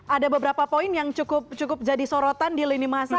ada beberapa poin yang cukup jadi sorotan di lini masa